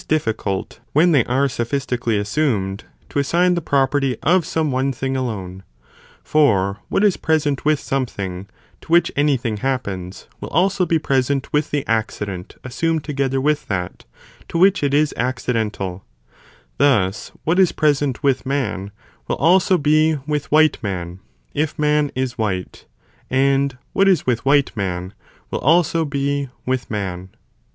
455 are sophistically assumed, to assign the property the eubject of some one thing alone; for what is present with Ot chen αὴν Ἂς something to which any thing happens, will also ed to accident, be present with the accident assumed together °"¢'°° Yr. with that, to which it is accidental ; thus, what is present with man, will also be with white man, if man is white, and what is with white man, will also be with man.